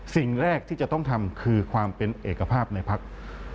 สิ่งแรกที่จะต้องทำคือความเป็นเอกภาพในภักดิ์